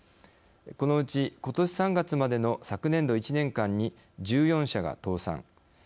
このうち、ことし３月までの昨年度１年間に、１４社が倒産。